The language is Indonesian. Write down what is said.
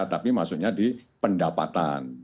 tapi masuknya di pendapatan